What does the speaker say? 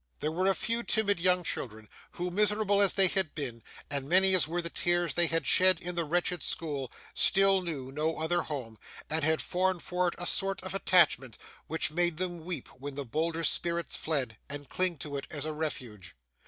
There were a few timid young children, who, miserable as they had been, and many as were the tears they had shed in the wretched school, still knew no other home, and had formed for it a sort of attachment, which made them weep when the bolder spirits fled, and cling to it as a refuge.